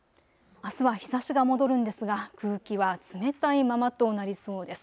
あすは日ざしが戻るんですが空気は冷たいままとなりそうです。